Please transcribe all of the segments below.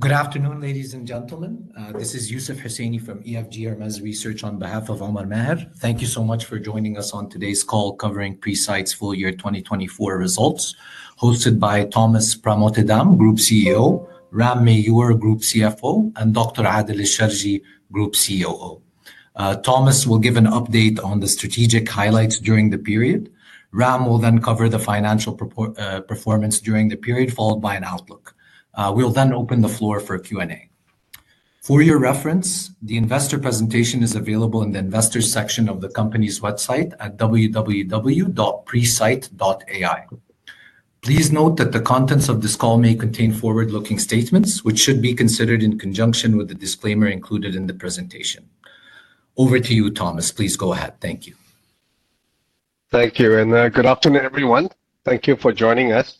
Good afternoon, ladies and gentlemen. This is Yousef Husseini from EFG Hermes Research on behalf of Omar Meher. Thank you so much for joining us on today's call covering Presight's Full Year 2024 Results, hosted by Thomas Pramotedham, Group CEO, Ram Meyoor, Group CFO, and Dr. Adel Alsharji, Group COO. Thomas will give an update on the strategic highlights during the period. Ram will then cover the financial performance during the period, followed by an outlook. We will then open the floor for Q and A. For your reference, the investor presentation is available in the Investors section of the company's website at www.presight.ai. Please note that the contents of this call may contain forward-looking statements, which should be considered in conjunction with the disclaimer included in the presentation. Over to you, Thomas. Please go ahead. Thank you. Thank you. Good afternoon, everyone. Thank you for joining us.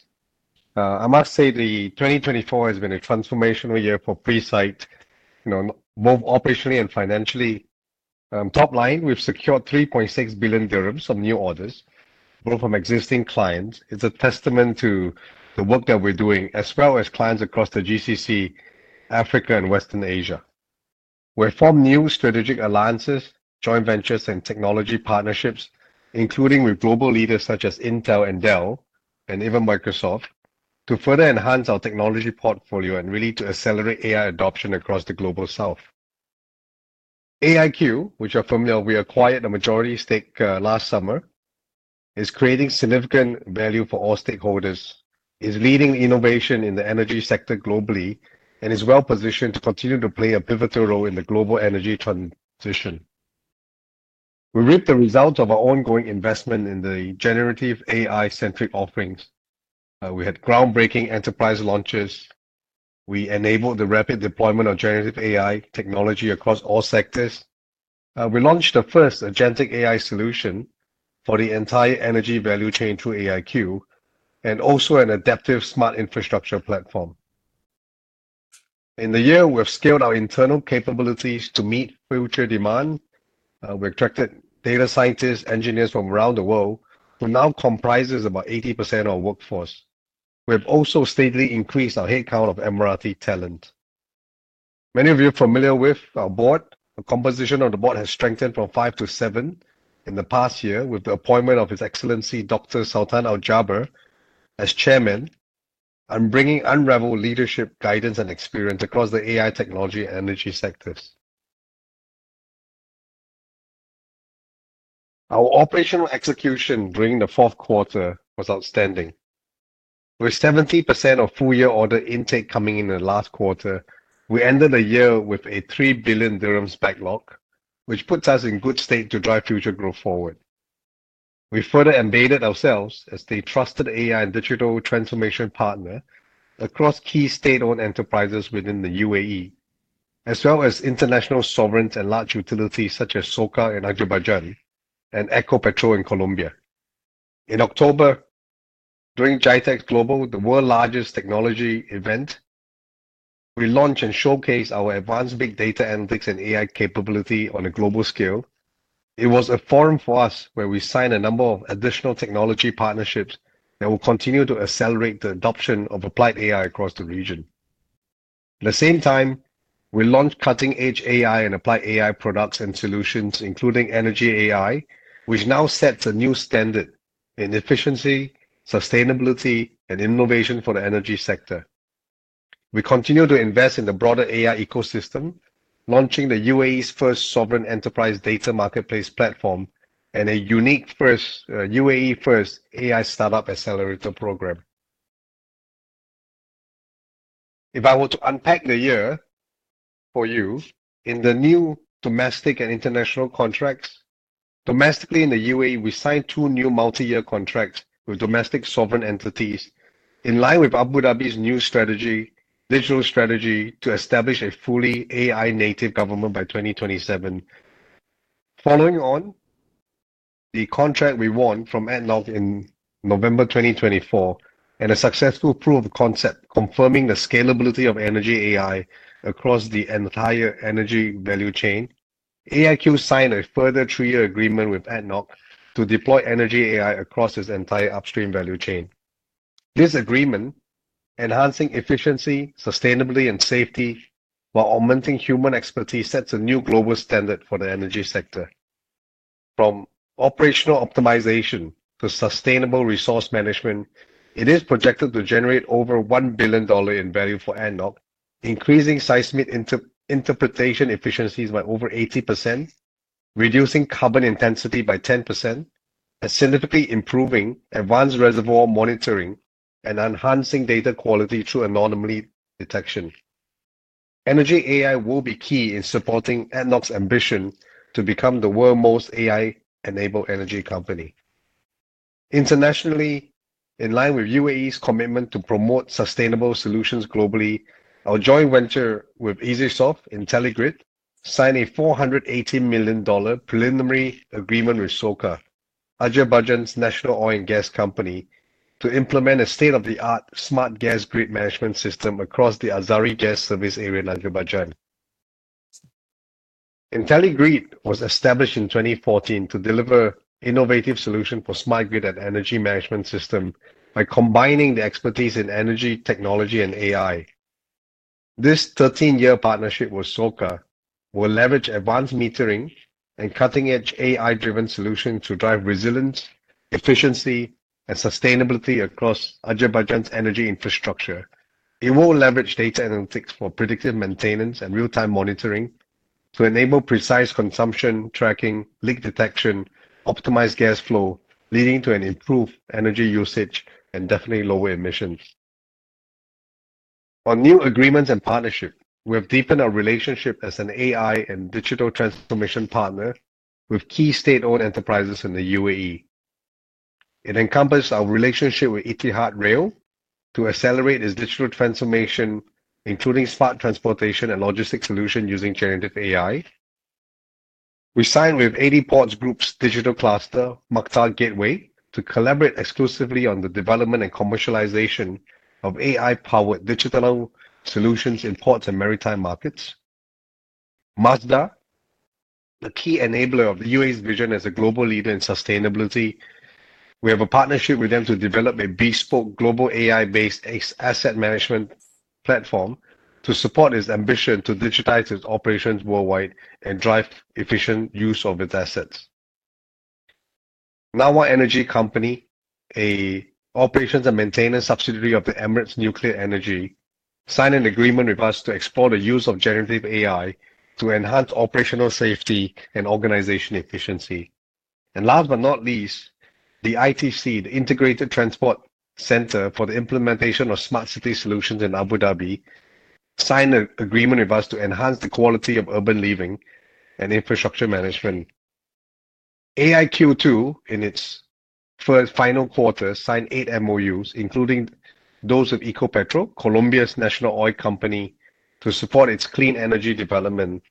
I must say that 2024 has been a transformational year for Presight, both operationally and financially. Top line, we have secured 3.6 billion dirhams of new orders, both from existing clients. It is a testament to the work that we are doing, as well as clients across the GCC, Africa, and Western Asia. We have formed new strategic alliances, joint ventures, and technology partnerships, including with global leaders such as Intel and Dell, and even Microsoft, to further enhance our technology portfolio and really to accelerate AI adoption across the Global South. AIQ, which you are familiar with, acquired a majority stake last summer, is creating significant value for all stakeholders, is leading innovation in the energy sector globally, and is well positioned to continue to play a pivotal role in the global energy transition. We reaped the results of our ongoing investment in the generative AI-centric offerings. We had groundbreaking enterprise launches. We enabled the rapid deployment of generative AI technology across all sectors. We launched the first agentic AI solution for the entire energy value chain through AIQ, and also an adaptive smart infrastructure platform. In the year, we've scaled our internal capabilities to meet future demand. We've attracted data scientists, engineers from around the world, who now comprise about 80% of our workforce. We have also steadily increased our headcount of Emirati talent. Many of you are familiar with our board. The composition of the board has strengthened from five to seven in the past year, with the appointment of His Excellency Dr. Sultan Al Jaber as Chairman, and bringing unrivaled leadership, guidance, and experience across the AI technology and energy sectors. Our operational execution during the fourth quarter was outstanding. With 70% of full-year order intake coming in the last quarter, we ended the year with an 3 billion dirhams backlog, which puts us in good state to drive future growth forward. We further embedded ourselves as the trusted AI and digital transformation partner across key state-owned enterprises within the UAE, as well as international sovereigns and large utilities such as SOCAR in Azerbaijan and Ecopetrol in Colombia. In October, during GITEX Global, the world's largest technology event, we launched and showcased our advanced big data analytics and AI capability on a global scale. It was a forum for us where we signed a number of additional technology partnerships that will continue to accelerate the adoption of applied AI across the region. At the same time, we launched cutting-edge AI and applied AI products and solutions, including ENERGYai, which now sets a new standard in efficiency, sustainability, and innovation for the energy sector. We continue to invest in the broader AI ecosystem, launching the UAE's first sovereign enterprise data marketplace platform and a unique UAE-first AI startup accelerator program. If I were to unpack the year for you in the new domestic and international contracts, domestically in the UAE, we signed two new multi-year contracts with domestic sovereign entities, in line with Abu Dhabi's new strategy, digital strategy, to establish a fully AI-native government by 2027. Following on the contract we won from ADNOC in November 2024 and a successful proof of concept confirming the scalability of ENERGYai across the entire energy value chain, AIQ signed a further three-year agreement with ADNOC to deploy ENERGYai across its entire upstream value chain. This agreement, enhancing efficiency, sustainability, and safety while augmenting human expertise, sets a new global standard for the energy sector. From operational optimization to sustainable resource management, it is projected to generate over $1 billion in value for ADNOC, increasing seismic interpretation efficiencies by over 80%, reducing carbon intensity by 10%, and significantly improving advanced reservoir monitoring and enhancing data quality through anonymity detection. ENERGYai will be key in supporting ADNOC's ambition to become the world's most AI-enabled energy company. Internationally, in line with UAE's commitment to promote sustainable solutions globally, our joint venture with IntelliGrid signed a $480 million preliminary agreement with SOCAR, Azerbaijan's national oil and gas company, to implement a state-of-the-art smart gas grid management system across the Azeri Gas Service Area in Azerbaijan. IntelliGrid was established in 2014 to deliver innovative solutions for smart grid and energy management systems by combining the expertise in energy, technology, and AI. This 13-year partnership with SOCAR will leverage advanced metering and cutting-edge AI-driven solutions to drive resilience, efficiency, and sustainability across Azerbaijan's energy infrastructure. It will leverage data analytics for predictive maintenance and real-time monitoring to enable precise consumption tracking, leak detection, optimized gas flow, leading to an improved energy usage and definitely lower emissions. On new agreements and partnerships, we have deepened our relationship as an AI and digital transformation partner with key state-owned enterprises in the UAE. It encompasses our relationship with Etihad Rail to accelerate its digital transformation, including smart transportation and logistics solutions using generative AI. We signed with AD Ports Group's digital cluster, Maqta Gateway, to collaborate exclusively on the development and commercialization of AI-powered digital solutions in ports and maritime markets. Masdar, a key enabler of the UAE's vision as a global leader in sustainability. We have a partnership with them to develop a bespoke global AI-based asset management platform to support its ambition to digitize its operations worldwide and drive efficient use of its assets. Nawah Energy Company, an operations and maintenance subsidiary of the Emirates Nuclear Energy, signed an agreement with us to explore the use of generative AI to enhance operational safety and organization efficiency. Last but not least, the ITC the Integrated Transport Center for the implementation of smart city solutions in Abu Dhabi signed an agreement with us to enhance the quality of urban living and infrastructure management. AIQ, in its final quarter, signed eight MOUs, including those with Ecopetrol, Colombia's national oil company, to support its clean energy development,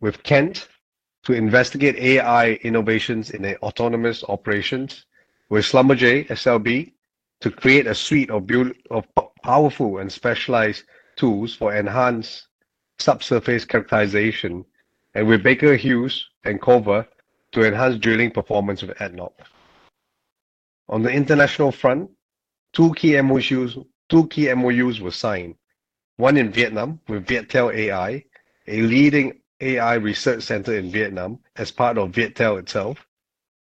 with Kent to investigate AI innovations in autonomous operations, with Schlumberger SLB to create a suite of powerful and specialized tools for enhanced subsurface characterization, and with Baker Hughes and CoVar to enhance drilling performance with ADNOC. On the international front, two key MOUs were signed, one in Vietnam with Viettel AI, a leading AI research center in Vietnam as part of Viettel itself,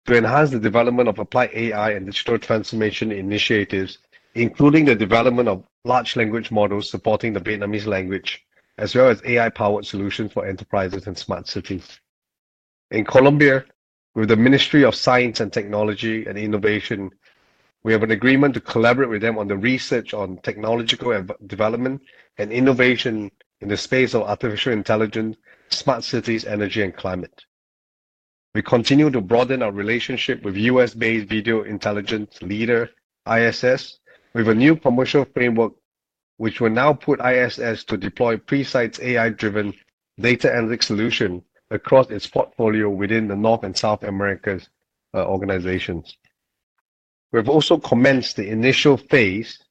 to enhance the development of applied AI and digital transformation initiatives, including the development of large language models supporting the Vietnamese language, as well as AI-powered solutions for enterprises and smart cities. In Colombia, with the Ministry of Science and Technology and Innovation, we have an agreement to collaborate with them on the research on technological development and innovation in the space of artificial intelligence, smart cities, energy, and climate. We continue to broaden our relationship with U.S.-based video intelligence leader, ISS, with a new commercial framework, which will now put ISS to deploy Presight's AI-driven data analytics solution across its portfolio within the North and South America's organizations. We've also commenced the initial phase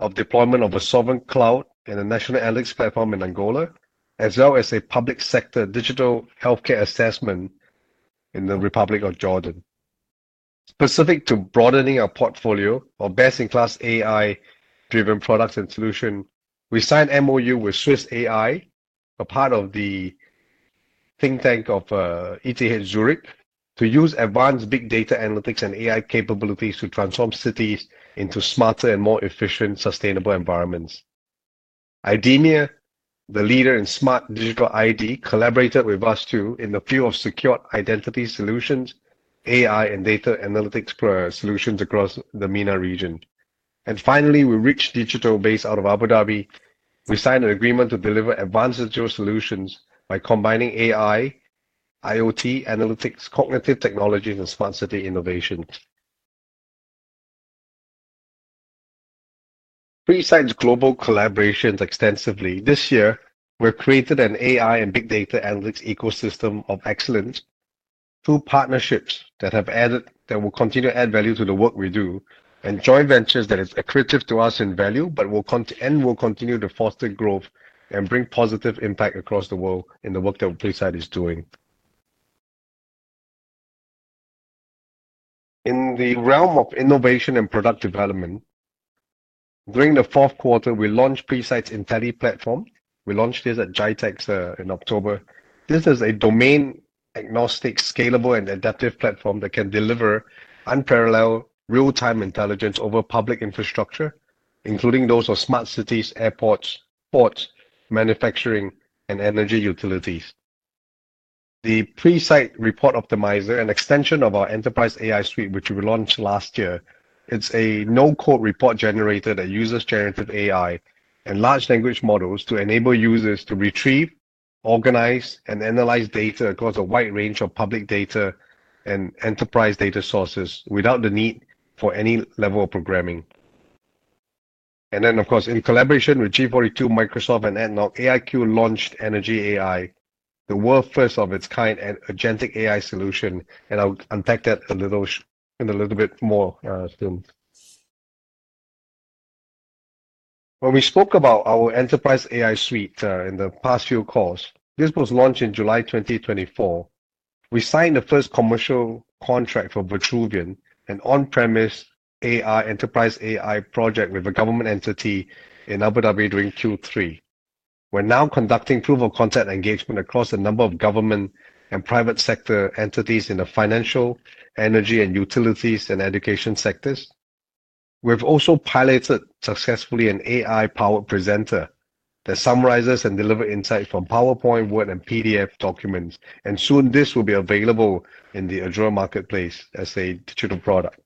of deployment of a sovereign cloud and a national analytics platform in Angola, as well as a public sector digital healthcare assessment in the Republic of Jordan. Specific to broadening our portfolio of best-in-class AI-driven products and solutions, we signed an MOU with SwissAI, a part of the think tank of ETH Zurich, to use advanced big data analytics and AI capabilities to transform cities into smarter and more efficient sustainable environments. IDEMIA, the leader in smart digital ID, collaborated with us too, in the field of secure identity solutions, AI, and data analytics solutions across the MENA region. Finally, with Rich Digital Base out of Abu Dhabi, we signed an agreement to deliver advanced digital solutions by combining AI, IoT analytics, cognitive technologies, and smart city innovations. Presight's global collaborations extensively. This year, we've created an AI and big data analytics ecosystem of excellence through partnerships that have added, that will continue to add value to the work we do, and joint ventures that are accretive to us in value, but will and will continue to foster growth and bring positive impact across the world in the work that Presight is doing. In the realm of innovation and product development, during the fourth quarter, we launched Presight's Intelli platform. We launched this at GITEX in October. This is a domain-agnostic, scalable, and adaptive platform that can deliver unparalleled real-time intelligence over public infrastructure, including those of smart cities, airports, ports, manufacturing, and energy utilities. The Presight Report Optimizer, an extension of our Enterprise AI Suite, which we launched last year, is a no-code report generator that uses generative AI and large language models to enable users to retrieve, organize, and analyze data across a wide range of public data and enterprise data sources without the need for any level of programming. Of course, in collaboration with G42, Microsoft, and ADNOC, AIQ launched ENERGYai, the world's first of its kind, an agentic AI solution, and I'll unpack that a little in a little bit more soon. When we spoke about our Enterprise AI Suite in the past few calls, this was launched in July 2024. We signed the first commercial contract for Vitruvian, an on-premise AI enterprise AI project with a government entity in Abu Dhabi during Q3. We're now conducting proof of concept engagement across a number of government and private sector entities in the financial, energy, utilities, and education sectors. We've also piloted successfully an AI-powered presenter that summarizes and delivers insights from PowerPoint, Word, and PDF documents, and soon this will be available in the Azure marketplace as a digital product.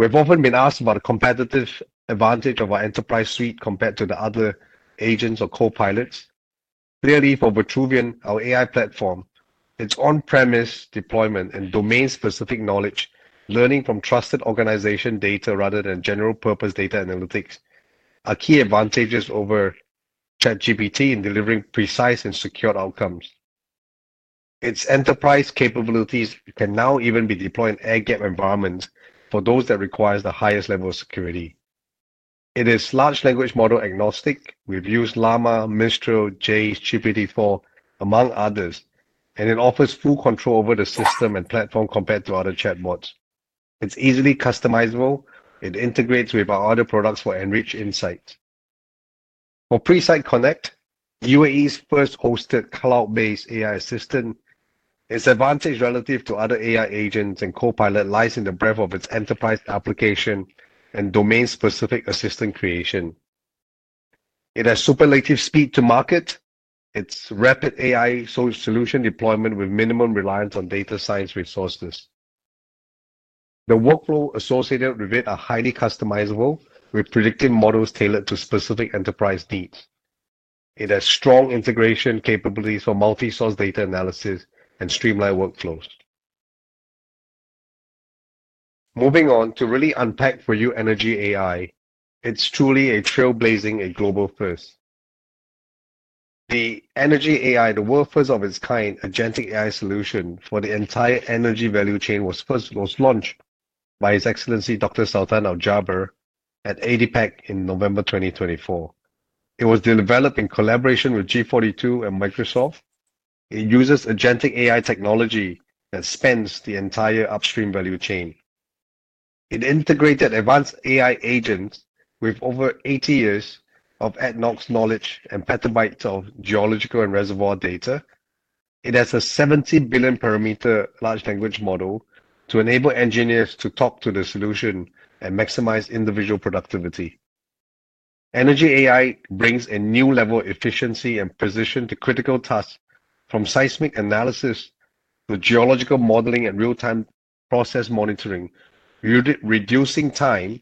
We've often been asked about the competitive advantage of our Enterprise Suite compared to the other agents or co-pilots. Clearly, for Vitruvian, our AI platform, its on-premise deployment and domain-specific knowledge, learning from trusted organization data rather than general-purpose data analytics, are key advantages over ChatGPT in delivering precise and secure outcomes. Its enterprise capabilities can now even be deployed in air-gapped environments for those that require the highest level of security. It is large language model agnostic. We've used Llama, Mistral, J, GPT-4, among others, and it offers full control over the system and platform compared to other chatbots. It's easily customizable. It integrates with our other products for enriched insights. For Presight Connect, UAE's first hosted cloud-based AI assistant, its advantage relative to other AI agents and co-pilot lies in the breadth of its enterprise application and domain-specific assistant creation. It has superlative speed to market, its rapid AI solution deployment with minimum reliance on data science resources. The workflow associated with it is highly customizable, with predictive models tailored to specific enterprise needs. It has strong integration capabilities for multi-source data analysis and streamlined workflows. Moving on to really unpack for you ENERGYai, it's truly a trailblazing and global first. The ENERGYai, the world's first of its kind, agentic AI solution for the entire energy value chain was first launched by His Excellency Dr. Sultan Al Jaber at ADIPEC in November 2024. It was developed in collaboration with G42 and Microsoft. It uses agentic AI technology that spans the entire upstream value chain. It integrated advanced AI agents with over 80 years of ADNOC's knowledge and petabytes of geological and reservoir data. It has a 70 billion parameter large language model to enable engineers to talk to the solution and maximize individual productivity. ENERGYai brings a new level of efficiency and precision to critical tasks from seismic analysis to geological modeling and real-time process monitoring, reducing time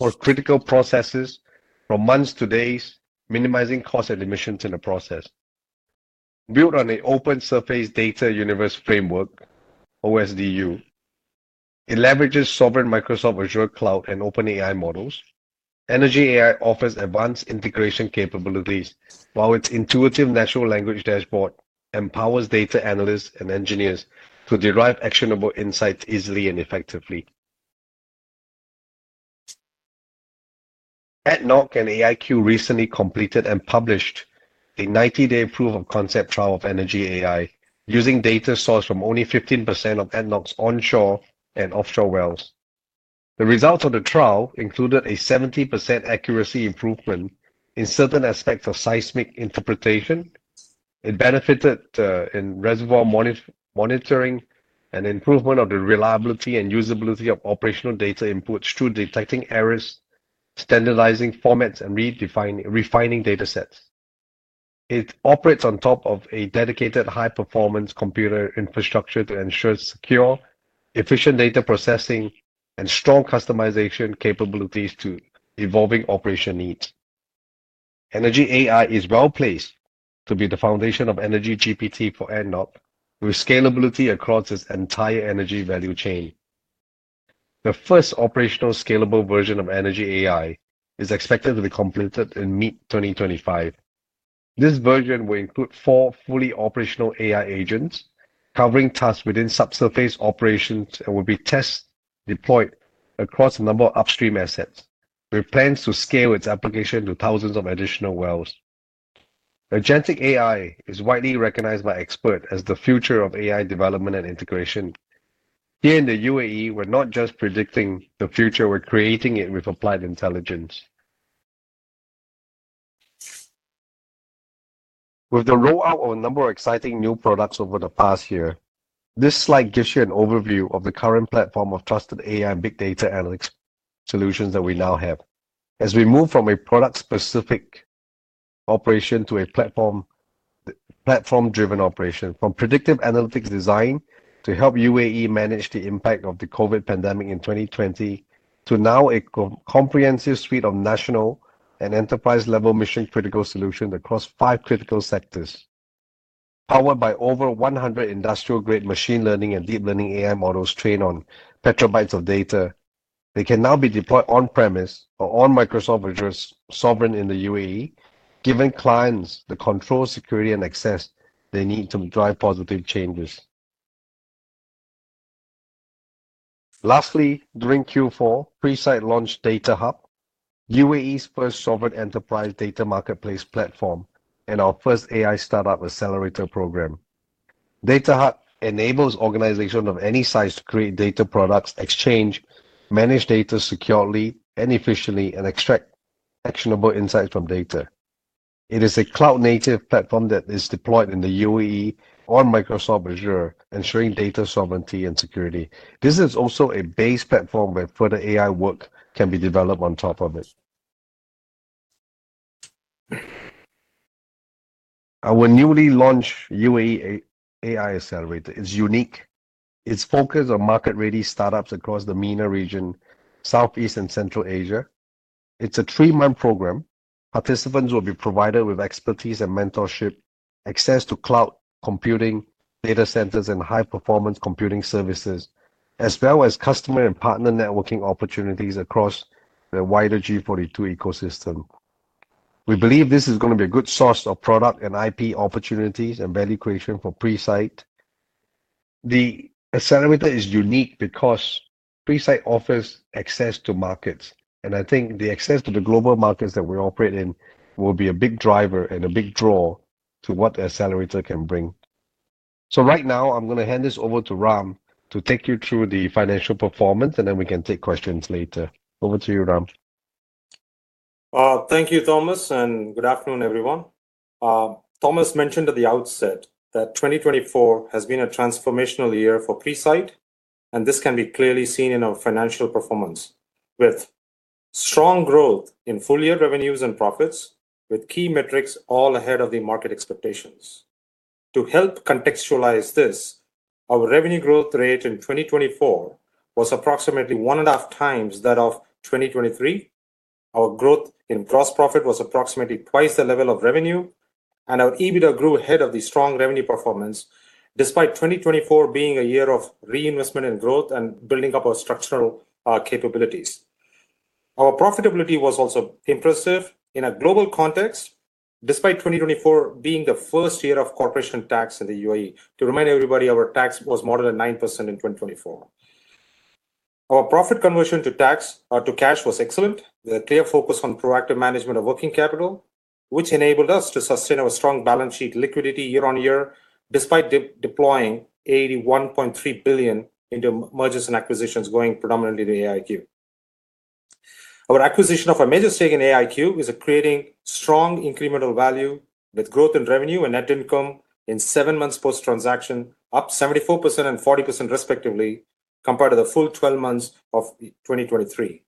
for critical processes from months to days, minimizing costs and emissions in the process. Built on an open surface data universe framework, OSDU, it leverages sovereign Microsoft Azure Cloud and OpenAI models. ENERGYai offers advanced integration capabilities while its intuitive natural language dashboard empowers data analysts and engineers to derive actionable insights easily and effectively. ADNOC and AIQ recently completed and published the 90-day proof of concept trial of ENERGYai using data sourced from only 15% of ADNOC's onshore and offshore wells. The results of the trial included a 70% accuracy improvement in certain aspects of seismic interpretation. It benefited in reservoir monitoring and improvement of the reliability and usability of operational data inputs through detecting errors, standardizing formats, and refining data sets. It operates on top of a dedicated high-performance computer infrastructure to ensure secure, efficient data processing and strong customization capabilities to evolving operation needs. ENERGYai is well placed to be the foundation of Energy GPT for ADNOC with scalability across its entire energy value chain. The first operational scalable version of ENERGYai is expected to be completed in mid-2025. This version will include four fully operational AI agents covering tasks within subsurface operations and will be test-deployed across a number of upstream assets. We plan to scale its application to thousands of additional wells. Agentic AI is widely recognized by experts as the future of AI development and integration. Here in the UAE, we're not just predicting the future; we're creating it with applied intelligence. With the rollout of a number of exciting new products over the past year, this slide gives you an overview of the current platform of trusted AI and big data analytics solutions that we now have. As we move from a product-specific operation to a platform-driven operation, from predictive analytics design to help UAE manage the impact of the COVID pandemic in 2020, to now a comprehensive suite of national and enterprise-level mission-critical solutions across five critical sectors. Powered by over 100 industrial-grade machine learning and deep learning AI models trained on petabytes of data, they can now be deployed on-premise or on Microsoft Azure, sovereign in the UAE, giving clients the control, security, and access they need to drive positive changes. Lastly, during Q4, Presight launched DataHub, UAE's first sovereign enterprise data marketplace platform and our first AI startup accelerator program. DataHub enables organizations of any size to create data products, exchange, manage data securely and efficiently, and extract actionable insights from data. It is a cloud-native platform that is deployed in the UAE on Microsoft Azure, ensuring data sovereignty and security. This is also a base platform where further AI work can be developed on top of it. Our newly launched UAE AI Accelerator is unique. It's focused on market-ready startups across the MENA region, Southeast, and Central Asia. It's a three-month program. Participants will be provided with expertise and mentorship, access to cloud computing, data centers, and high-performance computing services, as well as customer and partner networking opportunities across the wider G42 ecosystem. We believe this is going to be a good source of product and IP opportunities and value creation for Presight. The accelerator is unique because Presight offers access to markets, and I think the access to the global markets that we operate in will be a big driver and a big draw to what the accelerator can bring. Right now, I'm going to hand this over to Ram to take you through the financial performance, and then we can take questions later. Over to you, Ram. Thank you, Thomas, and good afternoon, everyone. Thomas mentioned at the outset that 2024 has been a transformational year for Presight, and this can be clearly seen in our financial performance, with strong growth in full-year revenues and profits, with key metrics all ahead of the market expectations. To help contextualize this, our revenue growth rate in 2024 was approximately 1.5x that of 2023. Our growth in gross profit was approximately twice the level of revenue, and our EBITDA grew ahead of the strong revenue performance, despite 2024 being a year of reinvestment and growth and building up our structural capabilities. Our profitability was also impressive in a global context, despite 2024 being the first year of corporation tax in the UAE. To remind everybody, our tax was more than 9% in 2024. Our profit conversion to tax to cash was excellent, with a clear focus on proactive management of working capital, which enabled us to sustain our strong balance sheet liquidity year on year, despite deploying 81.3 billion into mergers and acquisitions going predominantly to AIQ. Our acquisition of a major stake in AIQ is creating strong incremental value with growth in revenue and net income in seven months post-transaction, up 74% and 40% respectively compared to the full 12 months of 2023.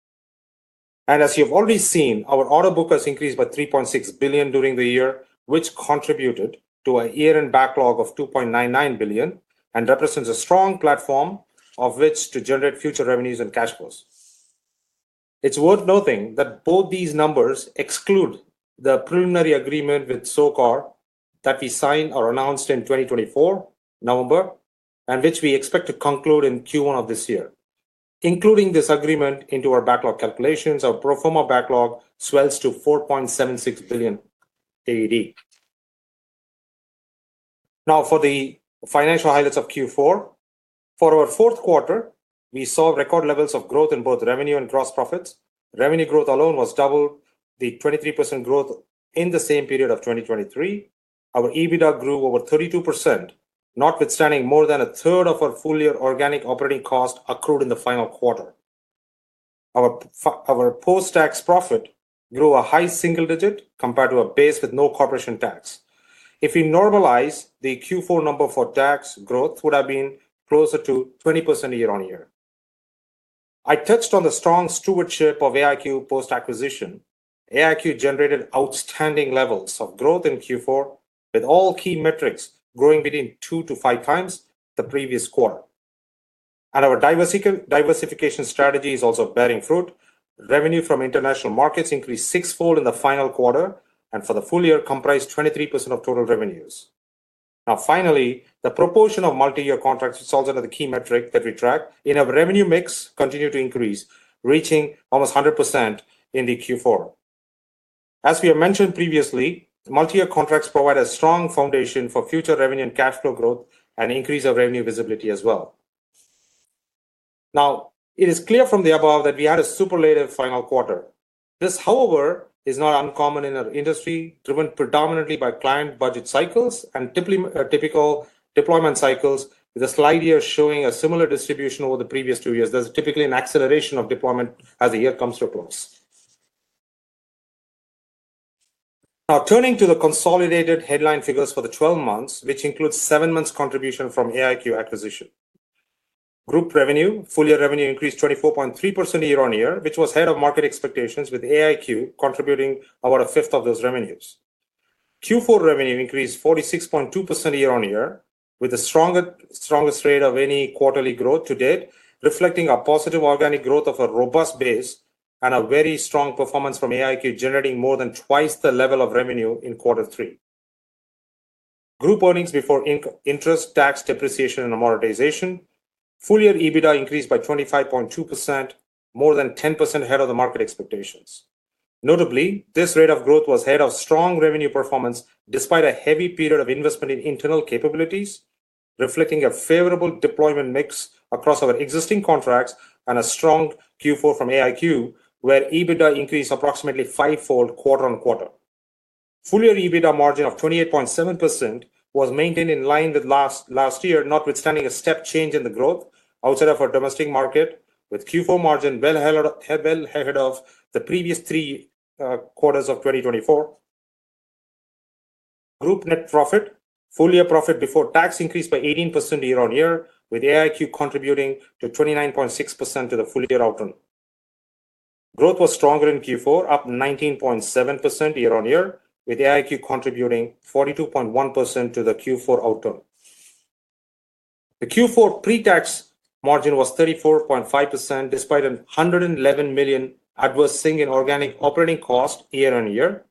As you have already seen, our order book has increased by 3.6 billion during the year, which contributed to a year-end backlog of 2.99 billion and represents a strong platform on which to generate future revenues and cash flows. It is worth noting that both these numbers exclude the preliminary agreement with SOCAR that we signed or announced in November 2024, and which we expect to conclude in Q1 of this year. Including this agreement into our backlog calculations, our pro forma backlog swells to 4.76 billion AED. Now, for the financial highlights of Q4, for our fourth quarter, we saw record levels of growth in both revenue and gross profits. Revenue growth alone was double the 23% growth in the same period of 2023. Our EBITDA grew over 32%, notwithstanding more than a third of our full-year organic operating cost accrued in the final quarter. Our post-tax profit grew a high single digit compared to a base with no corporation tax. If we normalize the Q4 number for tax growth, it would have been closer to 20% year on year. I touched on the strong stewardship of AIQ post-acquisition. AIQ generated outstanding levels of growth in Q4, with all key metrics growing between two to five times the previous quarter. Our diversification strategy is also bearing fruit. Revenue from international markets increased sixfold in the final quarter, and for the full year, it comprised 23% of total revenues. Now, finally, the proportion of multi-year contracts is also another key metric that we track, and our revenue mix continued to increase, reaching almost 100% in Q4. As we have mentioned previously, multi-year contracts provide a strong foundation for future revenue and cash flow growth and increase of revenue visibility as well. Now, it is clear from the above that we had a superlative final quarter. This, however, is not uncommon in our industry, driven predominantly by client budget cycles and typical deployment cycles, with a slide here showing a similar distribution over the previous two years. There is typically an acceleration of deployment as the year comes to a close. Now, turning to the consolidated headline figures for the 12 months, which include seven months' contribution from AIQ acquisition. Group revenue, full-year revenue increased 24.3% year on year, which was ahead of market expectations, with AIQ contributing about 1/5 of those revenues. Q4 revenue increased 46.2% year on year, with the strongest rate of any quarterly growth to date, reflecting a positive organic growth of a robust base and a very strong performance from AIQ, generating more than twice the level of revenue in quarter three. Group earnings before interest, tax, depreciation, and amortization. Full-year EBITDA increased by 25.2%, more than 10% ahead of the market expectations. Notably, this rate of growth was ahead of strong revenue performance despite a heavy period of investment in internal capabilities, reflecting a favorable deployment mix across our existing contracts and a strong Q4 from AIQ, where EBITDA increased approximately fivefold quarter on quarter. Full-year EBITDA margin of 28.7% was maintained in line with last year, notwithstanding a step change in the growth outside of our domestic market, with Q4 margin well ahead of the previous three quarters of 2024. Group net profit, full-year profit before tax, increased by 18% year on year, with AIQ contributing 29.6% to the full-year outcome. Growth was stronger in Q4, up 19.7% year on year, with AIQ contributing 42.1% to the Q4 outcome. The Q4 pre-tax margin was 34.5% despite a 111 million adverse swing in organic operating cost year on year.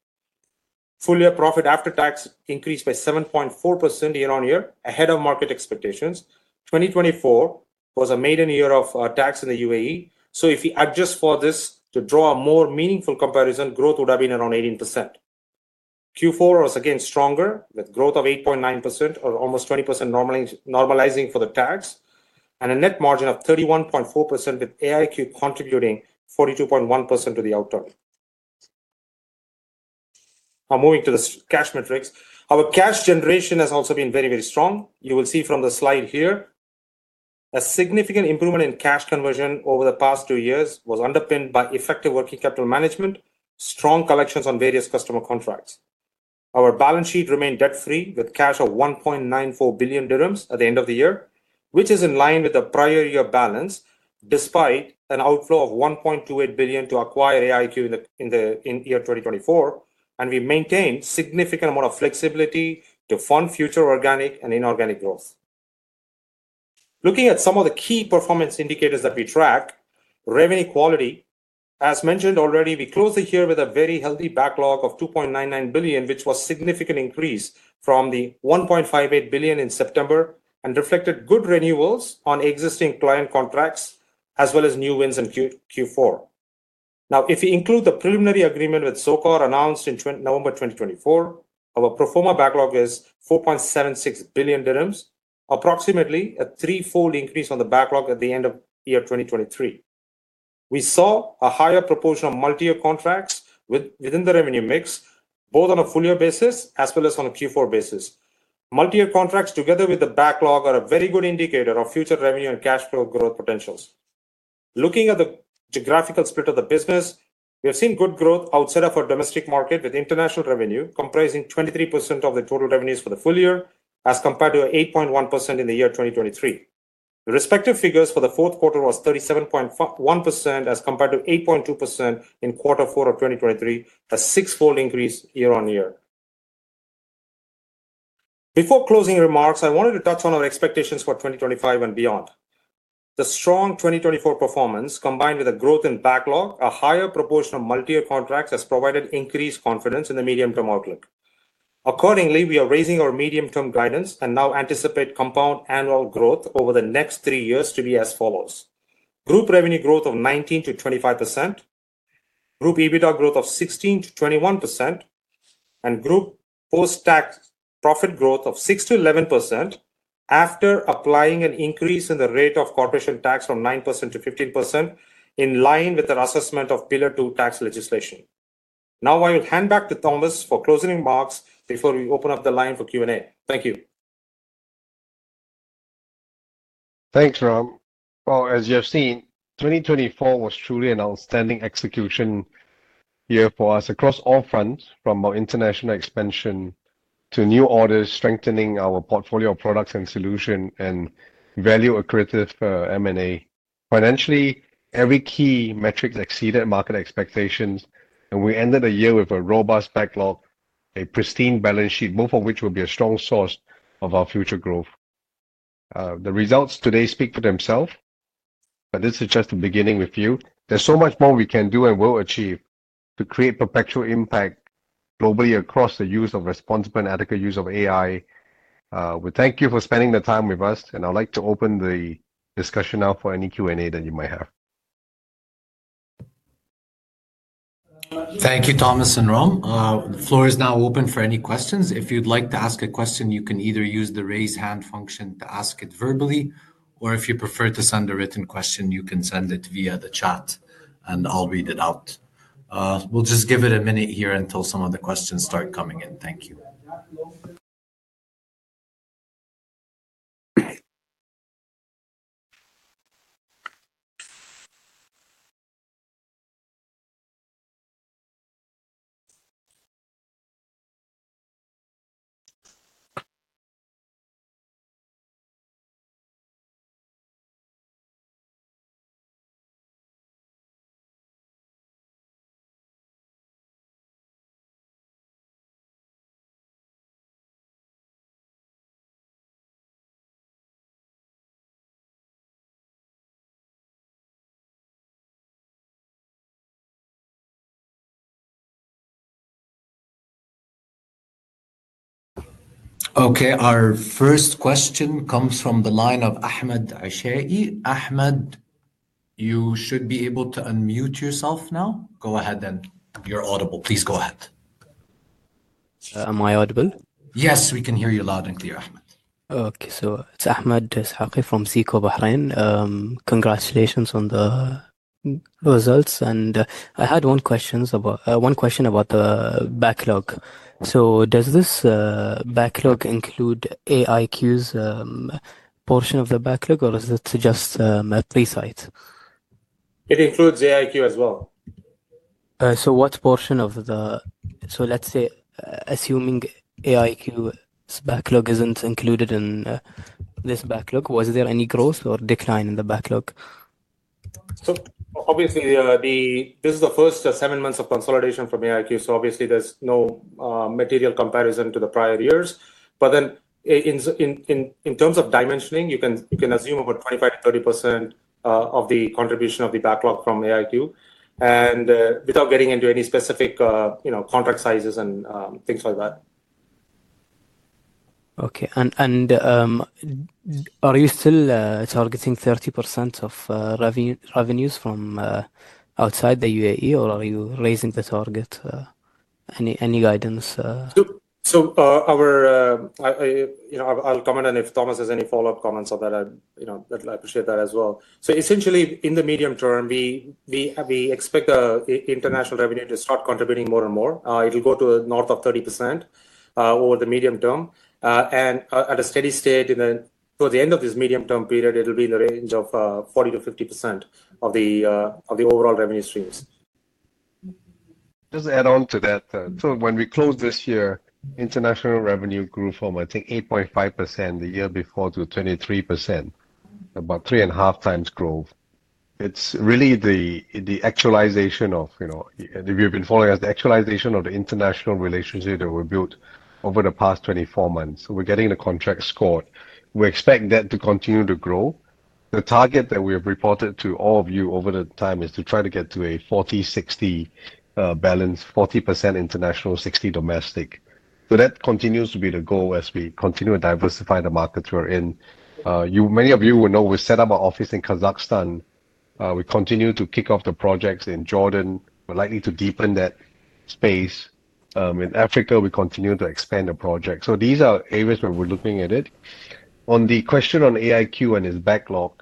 Full-year profit after tax increased by 7.4% year on year, ahead of market expectations. 2024 was a maiden year of tax in the UAE, so if we adjust for this to draw a more meaningful comparison, growth would have been around 18%. Q4 was again stronger, with growth of 8.9% or almost 20% normalizing for the tax, and a net margin of 31.4%, with AIQ contributing 42.1% to the outcome. Now, moving to the cash metrics, our cash generation has also been very, very strong. You will see from the slide here, a significant improvement in cash conversion over the past two years was underpinned by effective working capital management, strong collections on various customer contracts. Our balance sheet remained debt-free, with cash of 1.94 billion dirhams at the end of the year, which is in line with the prior year balance, despite an outflow of 1.28 billion to acquire AIQ in the year 2024, and we maintained a significant amount of flexibility to fund future organic and inorganic growth. Looking at some of the key performance indicators that we track, revenue quality, as mentioned already, we closed the year with a very healthy backlog of 2.99 billion, which was a significant increase from the 1.58 billion in September and reflected good renewals on existing client contracts, as well as new wins in Q4. Now, if we include the preliminary agreement with SOCAR announced in November 2024, our pro forma backlog is 4.76 billion dirhams, approximately a threefold increase on the backlog at the end of year 2023. We saw a higher proportion of multi-year contracts within the revenue mix, both on a full-year basis as well as on a Q4 basis. Multi-year contracts, together with the backlog, are a very good indicator of future revenue and cash flow growth potentials. Looking at the geographical split of the business, we have seen good growth outside of our domestic market, with international revenue comprising 23% of the total revenues for the full year, as compared to 8.1% in the year 2023. The respective figures for the fourth quarter were 37.1%, as compared to 8.2% in quarter four of 2023, a sixfold increase year on year. Before closing remarks, I wanted to touch on our expectations for 2025 and beyond. The strong 2024 performance, combined with the growth in backlog, a higher proportion of multi-year contracts, has provided increased confidence in the medium-term outlook. Accordingly, we are raising our medium-term guidance and now anticipate compound annual growth over the next three years to be as follows: group revenue growth of 19%-25%, group EBITDA growth of 16%-21%, and group post-tax profit growth of 6%-11% after applying an increase in the rate of corporation tax from 9% to 15%, in line with the assessment of Pillar Two tax legislation. Now, I will hand back to Thomas for closing remarks before we open up the line for Q and A. Thank you. Thank you, Ram. As you have seen, 2024 was truly an outstanding execution year for us across all fronts, from our international expansion to new orders, strengthening our portfolio of products and solutions, and value accretive for M&A. Financially, every key metric exceeded market expectations, and we ended the year with a robust backlog, a pristine balance sheet, both of which will be a strong source of our future growth. The results today speak for themselves, but this is just the beginning with you. There's so much more we can do and will achieve to create perpetual impact globally across the use of responsible and ethical use of AI. We thank you for spending the time with us, and I'd like to open the discussion now for any Q and A that you might have. Thank you, Thomas and Ram. The floor is now open for any questions. If you'd like to ask a question, you can either use the raise hand function to ask it verbally, or if you prefer to send a written question, you can send it via the chat, and I'll read it out. We'll just give it a minute here until some of the questions start coming in. Thank you. Okay, our first question comes from the line of Ahmed Es'haqi. Ahmed, you should be able to unmute yourself now. Go ahead and you're audible. Please go ahead. Am I audible? Yes, we can hear you loud and clear, Ahmed. Okay, so it's Ahmed Es'haqi from SICO Bahrain. Congratulations on the results. I had one question about the backlog. Does this backlog include AIQ's portion of the backlog, or is it just Presight? It includes AIQ as well. What portion of the, let's say, assuming AIQ's backlog isn't included in this backlog, was there any growth or decline in the backlog? This is the first seven months of consolidation from AIQ, so there's no material comparison to the prior years. In terms of dimensioning, you can assume about 25%-30% of the contribution of the backlog from AIQ, and without getting into any specific contract sizes and things like that. Okay, and are you still targeting 30% of revenues from outside the UAE, or are you raising the target? Any guidance? I'll comment on if Thomas has any follow-up comments on that. I'd appreciate that as well. Essentially, in the medium term, we expect the international revenue to start contributing more and more. It'll go to north of 30% over the medium term, and at a steady state towards the end of this medium-term period, it'll be in the range of 40%-50% of the overall revenue streams. Just add on to that. When we closed this year, international revenue grew from, I think, 8.5% the year before to 23%, about 3.5x growth. It's really the actualization of, if you've been following us, the actualization of the international relationship that we've built over the past 24 months. We're getting the contract scored. We expect that to continue to grow. The target that we have reported to all of you over the time is to try to get to a 40/60 balance, 40% international, 60% domestic. That continues to be the goal as we continue to diversify the markets we're in. Many of you will know we set up our office in Kazakhstan. We continue to kick off the projects in Jordan. We're likely to deepen that space. In Africa, we continue to expand the project. These are areas where we're looking at it. On the question on AIQ and its backlog,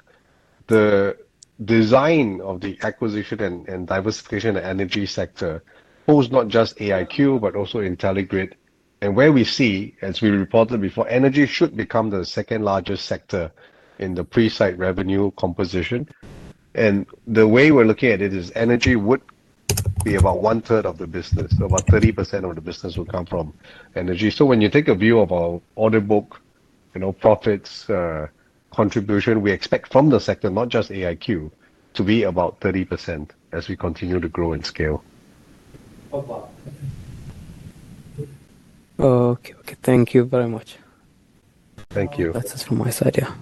the design of the acquisition and diversification of the energy sector pulls not just AIQ, but also IntelliGrid. Where we see, as we reported before, energy should become the second largest sector in the Presight revenue composition. The way we're looking at it is energy would be about one-third of the business. About 30% of the business will come from energy. When you take a view of our audit book, profits, contribution, we expect from the sector, not just AIQ, to be about 30% as we continue to grow in scale. Thank you very much. Thank you. That's it from my side, yeah.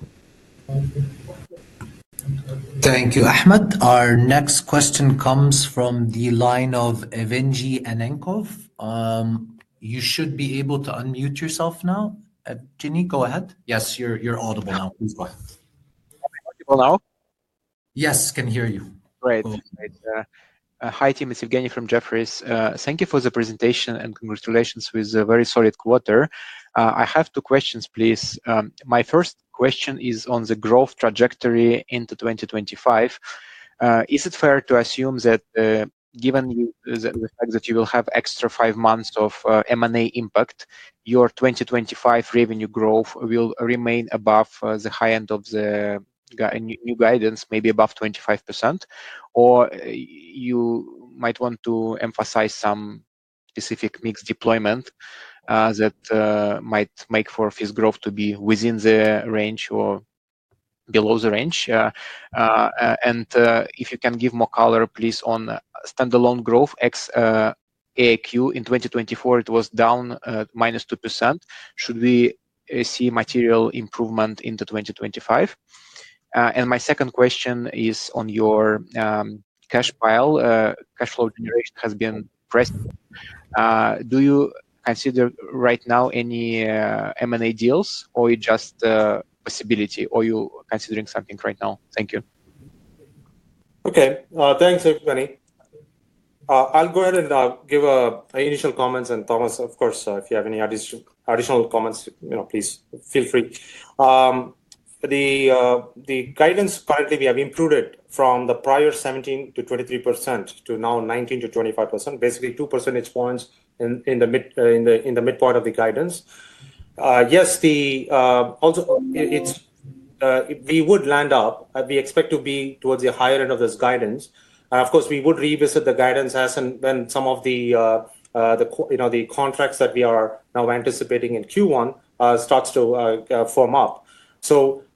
Thank you, Ahmed. Our next question comes from the line of Evgenii Annenkov. You should be able to unmute yourself now. Genii, go ahead. Yes, you're audible now. Please go ahead. Audible now? Yes, can hear you. Great. Hi, team. It's Evgenii from Jefferies. Thank you for the presentation and congratulations with a very solid quarter. I have two questions, please. My first question is on the growth trajectory into 2025. Is it fair to assume that given the fact that you will have extra five months of M&A impact, your 2025 revenue growth will remain above the high end of the new guidance, maybe above 25%? Or you might want to emphasize some specific mix deployment that might make for this growth to be within the range or below the range? If you can give more color, please, on standalone growth, AIQ in 2024, it was down -2%. Should we see material improvement into 2025? My second question is on your cash pile. Cash flow generation has been pressing. Do you consider right now any M&A deals, or it's just a possibility, or are you considering something right now? Thank you. Okay, thanks, everybody. I'll go ahead and give initial comments, and Thomas, of course, if you have any additional comments, please feel free. The guidance currently, we have improved it from the prior 17%-23% to now 19%-25%, basically two percentage points in the midpoint of the guidance. Yes, we would land up, we expect to be towards the higher end of this guidance. Of course, we would revisit the guidance as and when some of the contracts that we are now anticipating in Q1 starts to form up.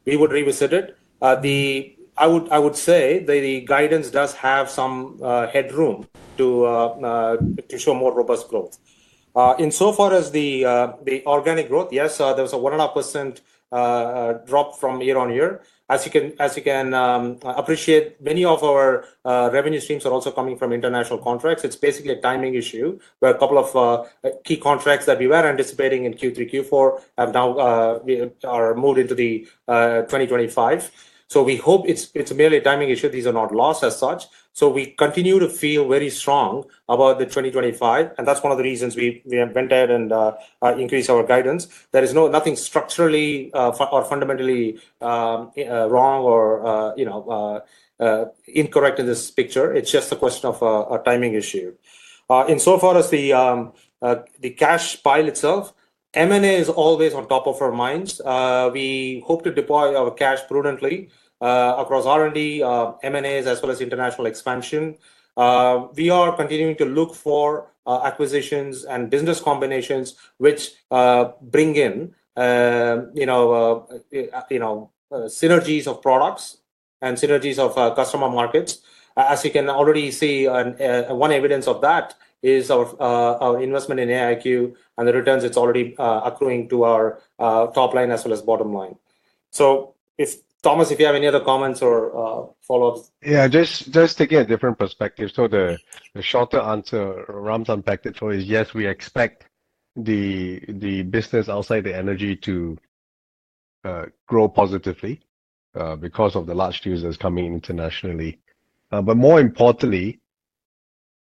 We would revisit it. I would say the guidance does have some headroom to show more robust growth. Insofar as the organic growth, yes, there was a 1.5% drop from year on year. As you can appreciate, many of our revenue streams are also coming from international contracts. It is basically a timing issue where a couple of key contracts that we were anticipating in Q3, Q4 have now moved into 2025. We hope it is merely a timing issue. These are not loss as such. We continue to feel very strong about 2025, and that is one of the reasons we went ahead and increased our guidance. There is nothing structurally or fundamentally wrong or incorrect in this picture. It is just a question of a timing issue. In so far as the cash pile itself, M&A is always on top of our minds. We hope to deploy our cash prudently across R and D, M&As, as well as international expansion. We are continuing to look for acquisitions and business combinations which bring in synergies of products and synergies of customer markets. As you can already see, one evidence of that is our investment in AIQ and the returns it's already accruing to our top line as well as bottom line. Thomas, if you have any other comments or follow-ups? Yeah, just to get a different perspective. The shorter answer Ram's unpacked it for is, yes, we expect the business outside the energy to grow positively because of the large users coming internationally. More importantly,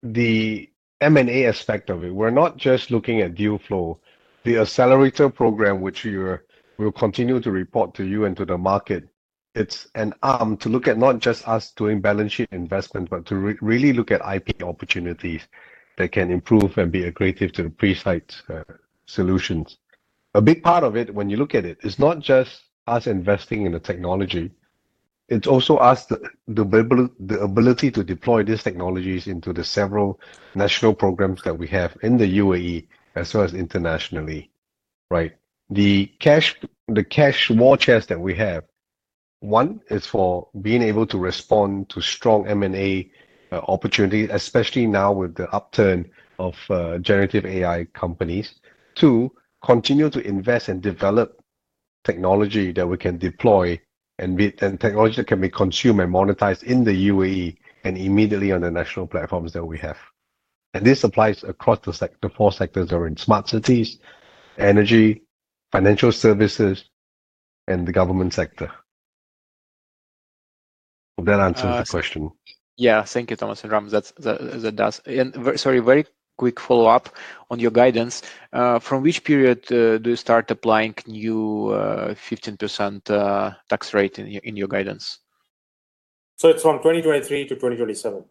the M&A aspect of it. We're not just looking at deal flow. The accelerator program, which we will continue to report to you and to the market, it's an arm to look at not just us doing balance sheet investment, but to really look at IP opportunities that can improve and be accretive to the Presight solutions. A big part of it, when you look at it, is not just us investing in the technology. It's also us the ability to deploy these technologies into the several national programs that we have in the UAE as well as internationally. Right? The cash war chest that we have, one, is for being able to respond to strong M&A opportunities, especially now with the upturn of generative AI companies. Two, continue to invest and develop technology that we can deploy and technology that can be consumed and monetized in the UAE and immediately on the national platforms that we have. This applies across the four sectors that are in smart cities, energy, financial services, and the government sector. That answers the question. Yeah, thank you, Thomas and Ram. Sorry, very quick follow-up on your guidance. From which period do you start applying new 15% tax rate in your guidance? It is from 2023 to 2027.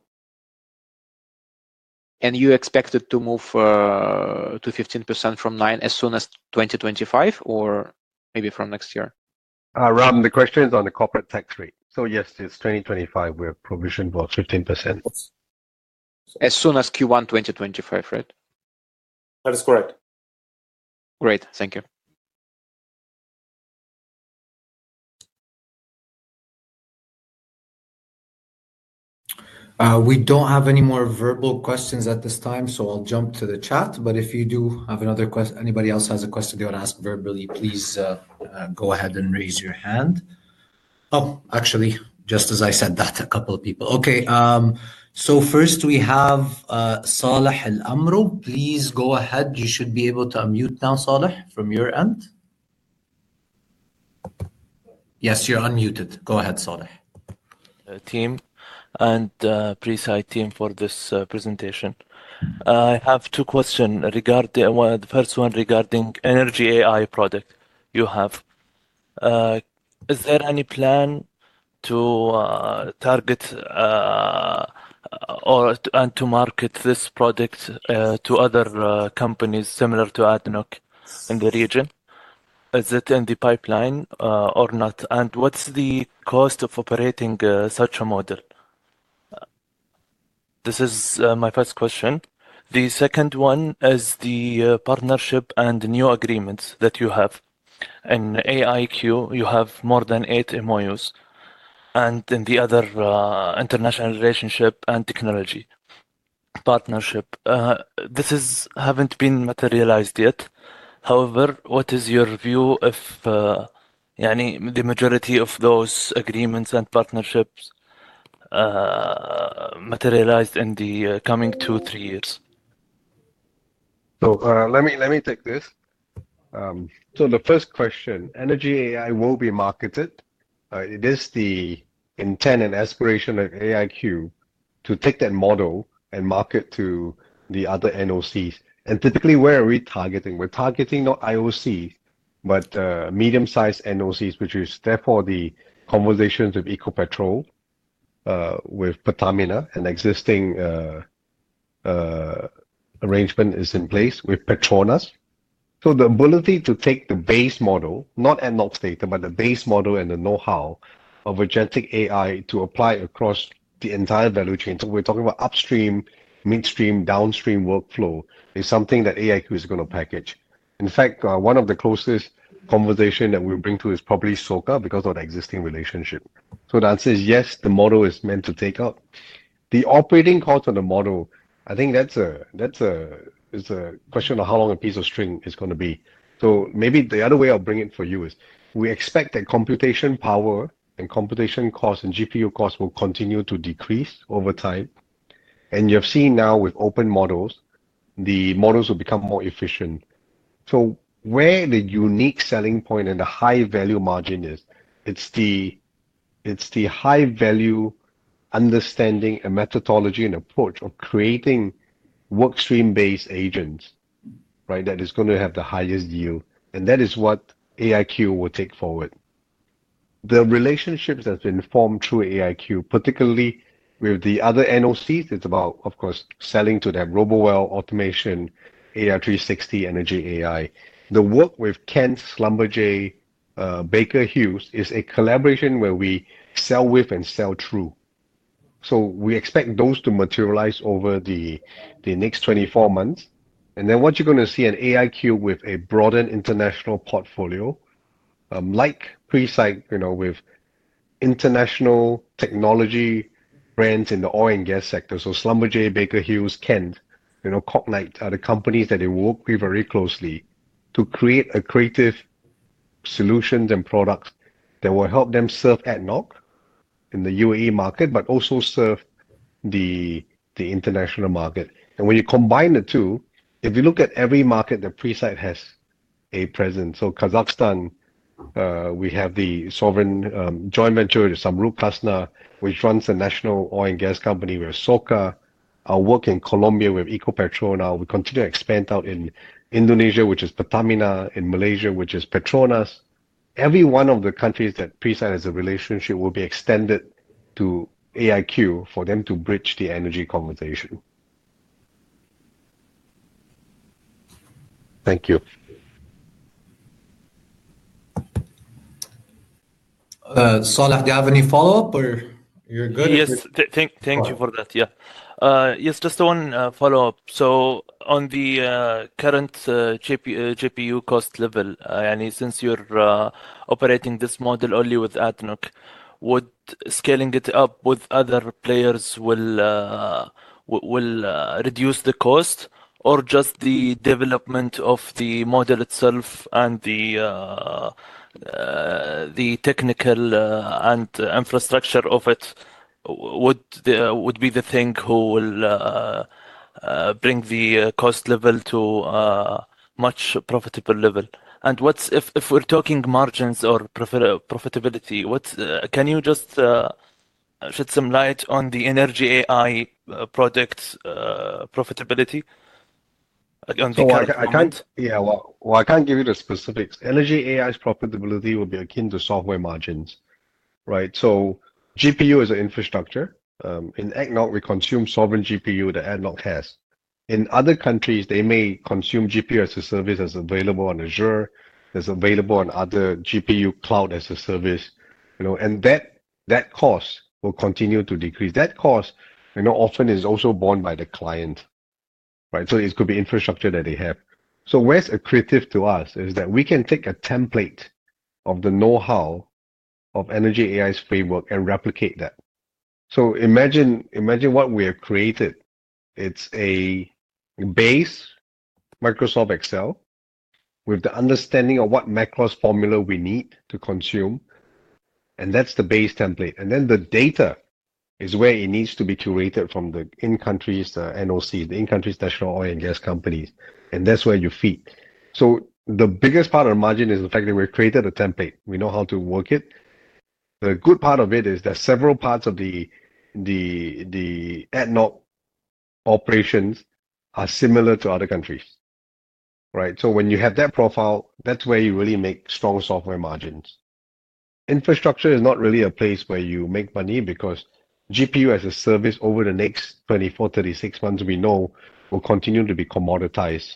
You expect it to move to 15% from now as soon as 2025 or maybe from next year? Ram, the question is on the corporate tax rate. Yes, it is 2025. We have provision for 15%. As soon as Q1 2025, right? That is correct. Great. Thank you. We do not have any more verbal questions at this time, so I will jump to the chat. If you do have another question, anybody else has a question they want to ask verbally, please go ahead and raise your hand. Actually, just as I said that, a couple of people. Okay. First, we have Saleh Al-Amro. Please go ahead. You should be able to unmute now, Saleh, from your end. Yes, you are unmuted. Go ahead, Saleh. Team and Presight team for this presentation. I have two questions. The first one regarding ENERGYai product you have. Is there any plan to target and to market this product to other companies similar to ADNOC in the region? Is it in the pipeline or not? What's the cost of operating such a model? This is my first question. The second one is the partnership and new agreements that you have. In AIQ, you have more than eight MOUs. In the other international relationship and technology partnership, this hasn't been materialized yet. However, what is your view if the majority of those agreements and partnerships materialized in the coming two, three years? Let me take this. The first question, ENERGYai will be marketed. It is the intent and aspiration of AIQ to take that model and market to the other NOCs. Typically, where are we targeting? We're targeting not IOC, but medium-sized NOCs, which is therefore the conversations with Ecopetrol, with Pertamina, an existing arrangement is in place with Petronas. The ability to take the base model, not at North Data, but the base model and the know-how of agentic AI to apply across the entire value chain. We're talking about upstream, midstream, downstream workflow is something that AIQ is going to package. In fact, one of the closest conversations that we'll bring to is probably SOCAR because of the existing relationship. The answer is yes, the model is meant to take up. The operating cost of the model, I think that's a question of how long a piece of string is going to be. Maybe the other way I'll bring it for you is we expect that computation power and computation costs and GPU costs will continue to decrease over time. You've seen now with open models, the models will become more efficient. Where the unique selling point and the high value margin is, it's the high value understanding and methodology and approach of creating workstream-based agents that is going to have the highest yield. That is what AIQ will take forward. The relationships that have been formed through AIQ, particularly with the other NOCs, it's about, of course, selling to that RoboWell, Automation, AI360, ENERGYai. The work with Kent, Schlumberger, Baker Hughes is a collaboration where we sell with and sell through. We expect those to materialize over the next 24 months. What you're going to see in AIQ with a broadened international portfolio, like Presight with international technology brands in the oil and gas sector. Schlumberger, Baker Hughes, Kent, Cognite are the companies that they work with very closely to create creative solutions and products that will help them serve ADNOC in the UAE market, but also serve the international market. When you combine the two, if you look at every market, Presight has a presence. Kazakhstan, we have the sovereign joint venture with Samruk-Kazyna, which runs the national oil and gas company with SOCAR. I work in Colombia with Ecopetrol now. We continue to expand out in Indonesia, which is Pertamina, in Malaysia, which is Petronas. Every one of the countries that Presight has a relationship will be extended to AIQ for them to bridge the energy conversation. Thank you. Saleh, do you have any follow-up or you're good? Yes, thank you for that, yeah. Yes, just one follow-up. On the current GPU cost level, since you're operating this model only with ADNOC, would scaling it up with other players reduce the cost or just the development of the model itself and the technical and infrastructure of it would be the thing who will bring the cost level to a much profitable level? If we're talking margins or profitability, can you just shed some light on the ENERGYai product profitability? I can't give you the specifics. ENERGYai's profitability would be akin to software margins. Right? GPU is an infrastructure. In ADNOC, we consume sovereign GPU that ADNOC has. In other countries, they may consume GPU as a service that's available on Azure. It's available on other GPU cloud as a service. That cost will continue to decrease. That cost often is also borne by the client. Right? It could be infrastructure that they have. Where it is accretive to us is that we can take a template of the know-how of ENERGYai's framework and replicate that. Imagine what we have created. It is a base, Microsoft Excel, with the understanding of what macros formula we need to consume. That is the base template. The data is where it needs to be curated from the in-country NOC, the in-country national oil and gas companies. That is where you feed. The biggest part of the margin is the fact that we have created a template. We know how to work it. The good part of it is that several parts of the ADNOC operations are similar to other countries. Right? When you have that profile, that's where you really make strong software margins. Infrastructure is not really a place where you make money because GPU as a service over the next 24 months-36 months, we know, will continue to be commoditized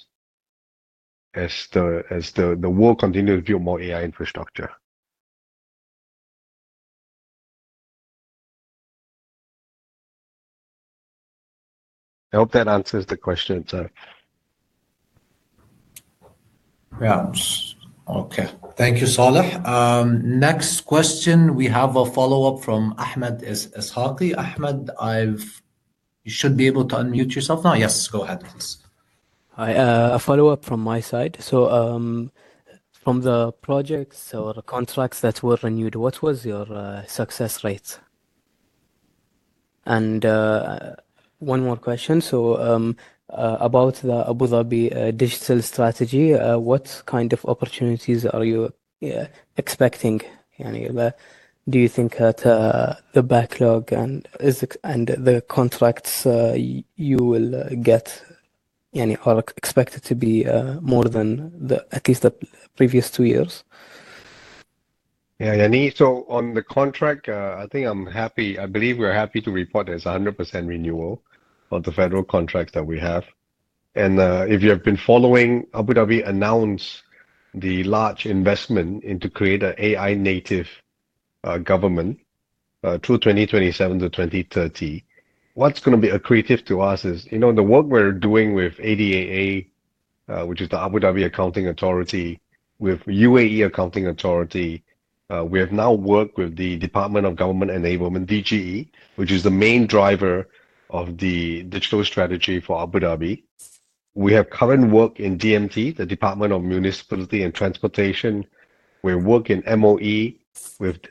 as the world continues to build more AI infrastructure. I hope that answers the question, sir. Yeah. Okay. Thank you, Saleh. Next question, we have a follow-up from Ahmed Es'haqi. Ahmed, you should be able to unmute yourself now. Yes, go ahead, please. Hi. A follow-up from my side. From the projects or the contracts that were renewed, what was your success rate? One more question. About the Abu Dhabi digital strategy, what kind of opportunities are you expecting? Do you think that the backlog and the contracts you will get are expected to be more than at least the previous two years? Yeah. On the contract, I think I'm happy. I believe we're happy to report there's 100% renewal of the federal contracts that we have. If you have been following, Abu Dhabi announced the large investment into creating an AI-native government through 2027 to 2030. What's going to be accretive to us is the work we're doing with ADAA, which is the Abu Dhabi Accounting Authority, with UAE Accounting Authority. We have now worked with the Department of Government Enablement, DGE, which is the main driver of the digital strategy for Abu Dhabi. We have current work in DMT, the Department of Municipality and Transportation. We work in MOE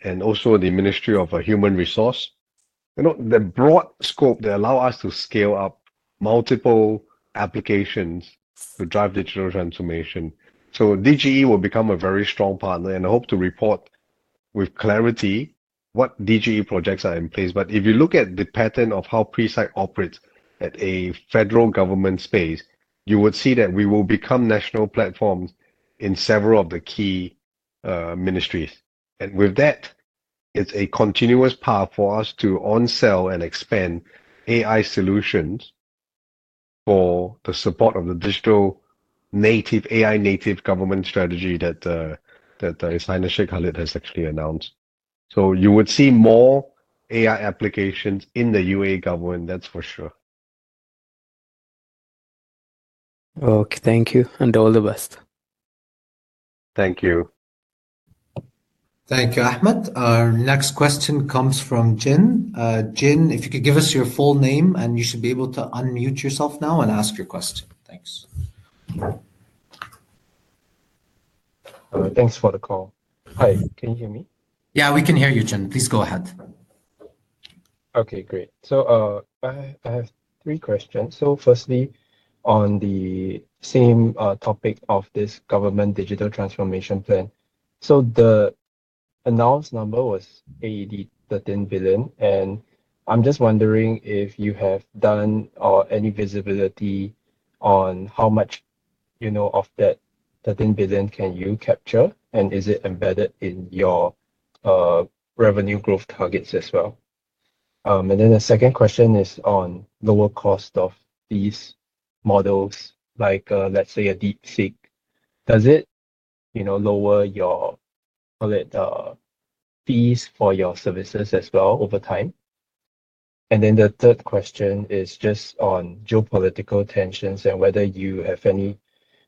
and also the Ministry of Human Resource. The broad scope, they allow us to scale up multiple applications to drive digital transformation. DGE will become a very strong partner. I hope to report with clarity what DGE projects are in place. If you look at the pattern of how Presight operates at a federal government space, you would see that we will become national platforms in several of the key ministries. With that, it is a continuous path for us to onsale and expand AI solutions for the support of the digital native AI-native government strategy that His Highness Sheikh Khaled has actually announced. You would see more AI applications in the UAE government, that is for sure. Thank you. All the best. Thank you. Thank you, Ahmed. Our next question comes from Jin. Jin, if you could give us your full name, and you should be able to unmute yourself now and ask your question. Thanks. Thanks for the call. Hi. Can you hear me? Yeah, we can hear you, Jin. Please go ahead. Okay. Great. I have three questions. Firstly, on the same topic of this government digital transformation plan. The announced number was AED 13 billion. I'm just wondering if you have done any visibility on how much of that 13 billion you can capture, and is it embedded in your revenue growth targets as well? The second question is on lower cost of these models, like let's say a DeepSeek. Does it lower your, call it, fees for your services as well over time? The third question is just on geopolitical tensions and whether you have any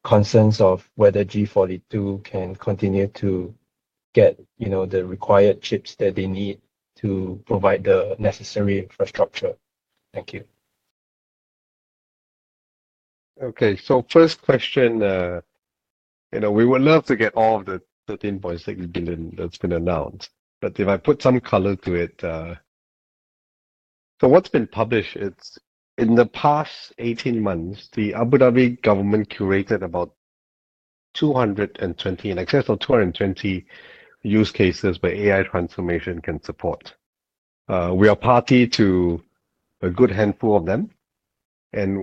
concerns of whether G42 can continue to get the required chips that they need to provide the necessary infrastructure. Thank you. Okay. First question, we would love to get all of the 13.6 billion that's been announced. If I put some color to it, what's been published, in the past 18 months, the Abu Dhabi government curated about 220, an excess of 220 use cases where AI transformation can support. We are party to a good handful of them.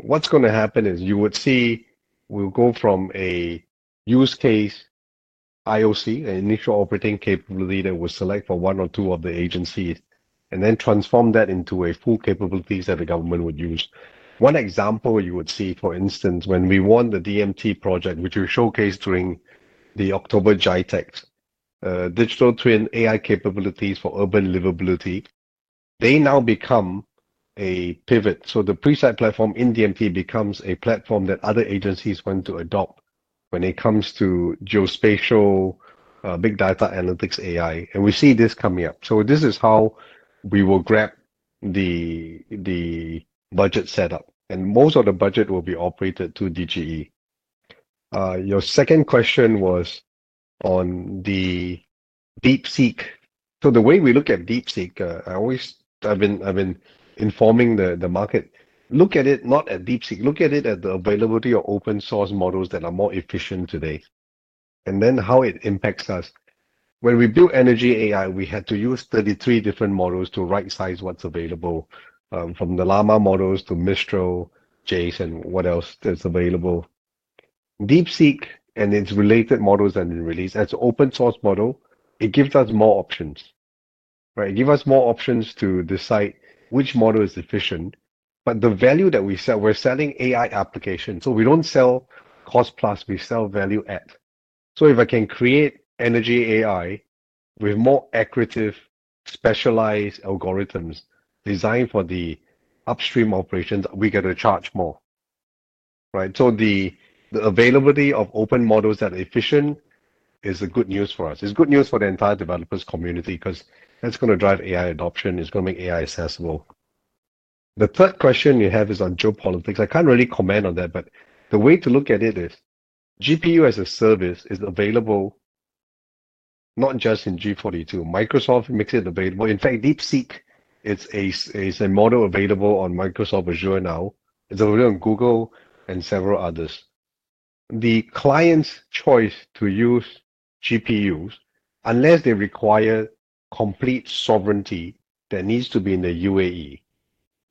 What's going to happen is you would see we'll go from a use case IOC, an initial operating capability that we'll select for one or two of the agencies, and then transform that into a full capability that the government would use. One example you would see, for instance, when we won the DMT project, which we showcased during the October GITEX, digital twin AI capabilities for urban livability, they now become a pivot. The Presight platform in DMT becomes a platform that other agencies want to adopt when it comes to geospatial, big data analytics AI. We see this coming up. This is how we will grab the budget setup. Most of the budget will be operated through DGE. Your second question was on the DeepSeek. The way we look at DeepSeek, I've been informing the market, look at it not at deep seek. Look at it at the availability of open-source models that are more efficient today, and then how it impacts us. When we built ENERGYai, we had to use 33 different models to right-size what's available, from the Llama models to Mistral, JSON, what else that's available. DeepSeek and its related models that have been released, as an open-source model, it gives us more options. It gives us more options to decide which model is efficient. The value that we sell, we're selling AI applications. We don't sell cost-plus. We sell value-add. If I can create ENERGYai with more accurative, specialized algorithms designed for the upstream operations, we get to charge more. Right? The availability of open models that are efficient is good news for us. It's good news for the entire developers' community because that's going to drive AI adoption. It's going to make AI accessible. The third question you have is on geopolitics. I can't really comment on that, but the way to look at it is GPU as a service is available not just in G42. Microsoft makes it available. In fact, DeepSeek, it's a model available on Microsoft Azure now. It's available on Google and several others. The client's choice to use GPUs, unless they require complete sovereignty that needs to be in the UAE,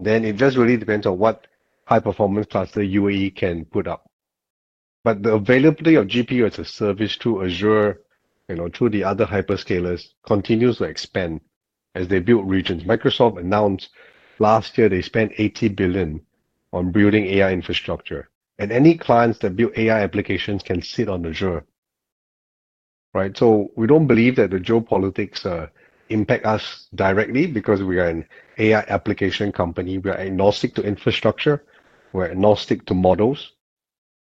then it just really depends on what high-performance cluster UAE can put up. The availability of GPU as a service through Azure, through the other hyperscalers, continues to expand as they build regions. Microsoft announced last year they spent $80 billion on building AI infrastructure. Any clients that build AI applications can sit on Azure. Right? We do not believe that the geopolitics impact us directly because we are an AI application company. We are agnostic to infrastructure. We are agnostic to models.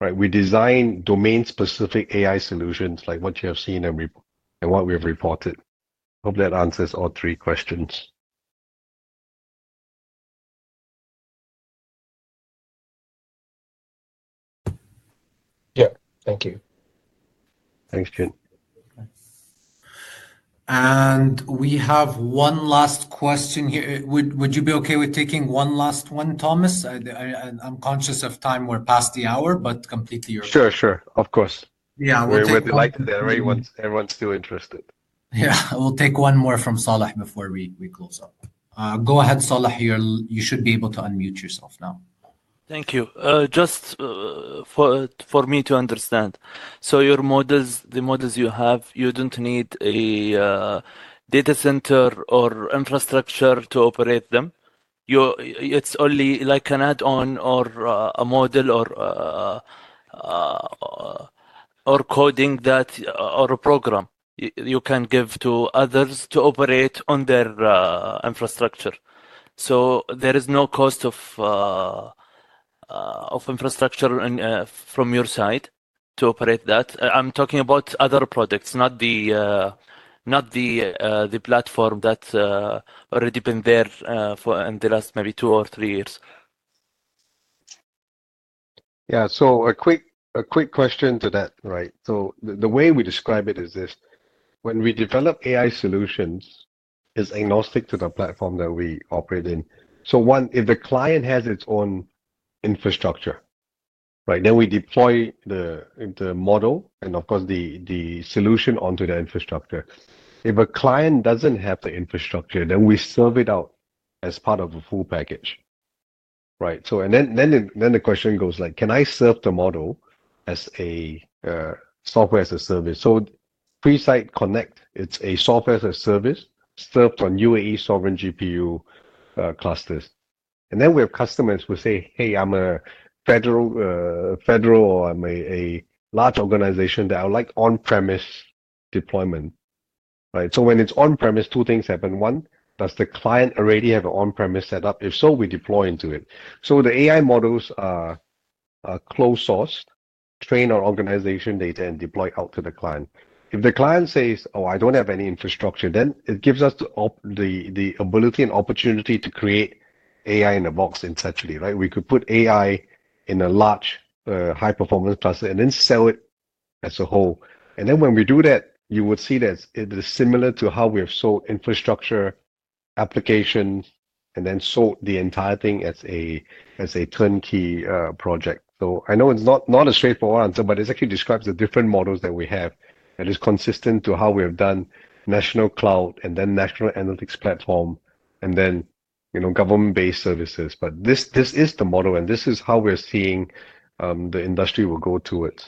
We design domain-specific AI solutions like what you have seen and what we have reported. Hope that answers all three questions. Yeah. Thank you. Thanks, Jin. We have one last question here. Would you be okay with taking one last one, Thomas? I am conscious of time. We are past the hour, but completely yours. Sure, sure. Of course. We are delighted that everyone's still interested. Yeah. We will take one more from Saleh before we close up. Go ahead, Saleh. You should be able to unmute yourself now. Thank you. Just for me to understand, the models you have, you do not need a data center or infrastructure to operate them. It is only like an add-on or a model or coding or a program you can give to others to operate on their infrastructure. There is no cost of infrastructure from your side to operate that. I am talking about other products, not the platform that has already been there in the last maybe two or three years. Yeah. A quick question to that. Right? The way we describe it is this: when we develop AI solutions, it is agnostic to the platform that we operate in. One, if the client has its own infrastructure, then we deploy the model and, of course, the solution onto the infrastructure. If a client doesn't have the infrastructure, then we serve it out as part of a full package. Right? The question goes like, can I serve the model as a software as a service? Presight Connect, it's a software as a service served on UAE sovereign GPU clusters. We have customers who say, "Hey, I'm a federal or I'm a large organization that I would like on-premise deployment." Right? When it's on-premise, two things happen. One, does the client already have an on-premise setup? If so, we deploy into it. The AI models are closed-sourced, trained on organization data, and deployed out to the client. If the client says, "Oh, I don't have any infrastructure," it gives us the ability and opportunity to create AI in a box essentially. Right? We could put AI in a large high-performance cluster and then sell it as a whole. Then when we do that, you would see that it is similar to how we have sold infrastructure applications and then sold the entire thing as a turnkey project. I know it's not a straightforward answer, but it actually describes the different models that we have that are consistent to how we have done national cloud and then national analytics platform and then government-based services. This is the model, and this is how we're seeing the industry will go towards.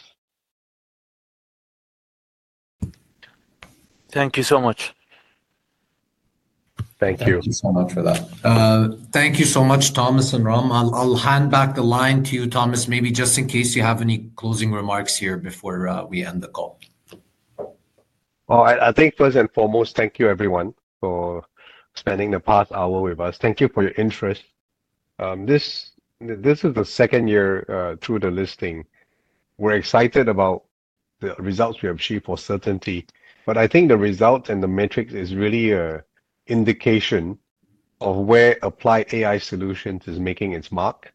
Thank you so much. Thank you. Thank you so much for that. Thank you so much, Thomas and Ram. I'll hand back the line to you, Thomas, maybe just in case you have any closing remarks here before we end the call. All right. I think first and foremost, thank you, everyone, for spending the past hour with us. Thank you for your interest. This is the second year through the listing. We're excited about the results we have achieved for certainty. I think the result and the metrics is really an indication of where applied AI solutions is making its mark.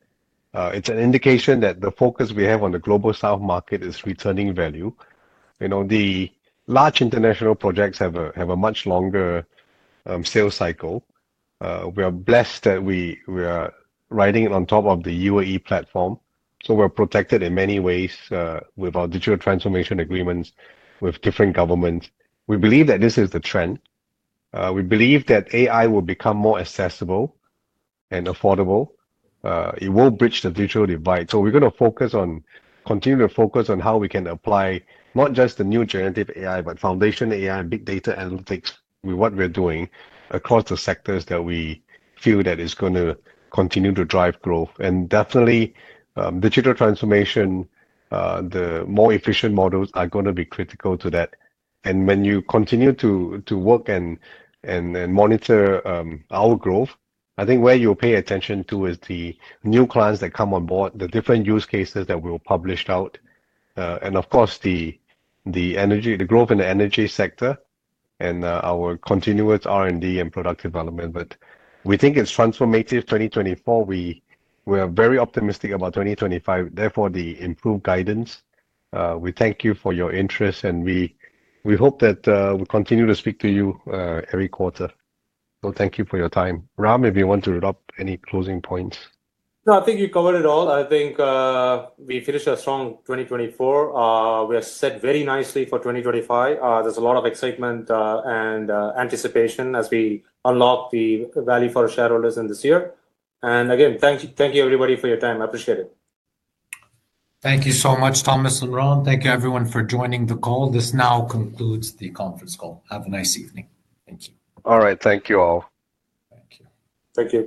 It's an indication that the focus we have on the global south market is returning value. The large international projects have a much longer sales cycle. We are blessed that we are riding on top of the UAE platform. We're protected in many ways with our digital transformation agreements with different governments. We believe that this is the trend. We believe that AI will become more accessible and affordable. It will bridge the digital divide. We are going to continue to focus on how we can apply not just the new generative AI, but foundation AI, big data analytics, what we are doing across the sectors that we feel is going to continue to drive growth. Digital transformation, the more efficient models are going to be critical to that. When you continue to work and monitor our growth, I think where you will pay attention is the new clients that come on board, the different use cases that we will publish out, and of course, the growth in the energy sector and our continuous R&D and product development. We think it is transformative 2024. We are very optimistic about 2025. Therefore, the improved guidance. We thank you for your interest, and we hope that we continue to speak to you every quarter. Thank you for your time. Ram, if you want to wrap up any closing points. No, I think you covered it all. I think we finished a strong 2024. We are set very nicely for 2025. There is a lot of excitement and anticipation as we unlock the value for our shareholders in this year. Again, thank you, everybody, for your time. I appreciate it. Thank you so much, Thomas and Ram. Thank you, everyone, for joining the call. This now concludes the conference call. Have a nice evening. Thank you. All right. Thank you all. Thank you.